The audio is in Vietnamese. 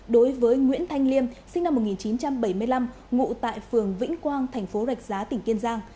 đối với nguyễn thanh liêm sinh năm một nghìn chín trăm bảy mươi năm ngụ tại phường vĩnh quang thành phố rạch giá tỉnh kiên giang